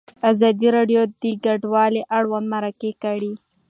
ازادي راډیو د کډوال اړوند مرکې کړي.